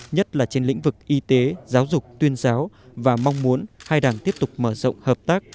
nhất là trên lĩnh vực y tế giáo dục tuyên giáo và mong muốn hai đảng tiếp tục mở rộng hợp tác